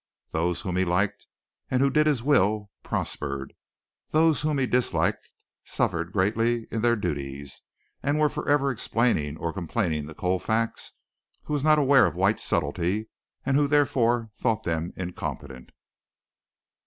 Those whom he liked and who did his will prospered. Those whom he disliked suffered greatly in their duties, and were forever explaining or complaining to Colfax, who was not aware of White's subtlety and who therefore thought them incompetent.